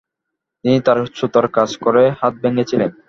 তিনি তার ছুতার কাজ করে হাত ভেঙেছিলেন।